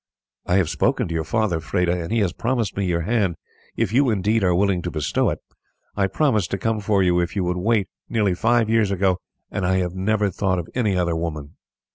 "I have spoken to your father, Freda; and he has promised me your hand if you, indeed, are willing to bestow it. I promised to come for you if you would wait, nearly five years ago, and I have never thought of any other woman."